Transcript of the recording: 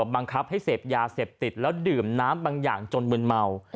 บังคับให้เสพยาเสพติดแล้วดื่มน้ำบางอย่างจนมึนเมา